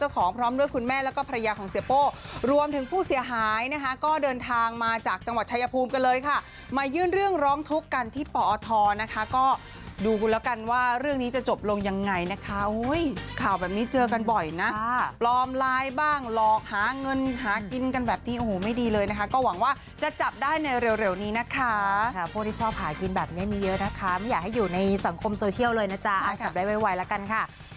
ของเสียโป้รวมถึงผู้เสียหายนะคะก็เดินทางมาจากจังหวัดชายภูมิกันเลยค่ะมายื่นเรื่องร้องทุกข์กันที่ปอทนะคะก็ดูกูแล้วกันว่าเรื่องนี้จะจบลงยังไงนะคะข่าวแบบนี้เจอกันบ่อยนะปลอมไลน์บ้างหลอกหาเงินหากินกันแบบนี้โอ้โหไม่ดีเลยนะคะก็หวังว่าจะจับได้ในเร็วนี้นะคะพวกที่ชอบหากินแบบนี้มีเยอะนะคะไม่อยาก